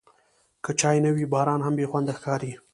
که چای نه وي، باران هم بېخونده ښکاري.